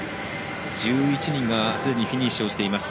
１１人がすでにフィニッシュしています。